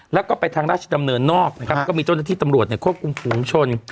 แล้วก็ไปทางราชดำเนินนอกนะครับก็มีเจ้าหน้าที่ตำรวจควบคุมฝูงชน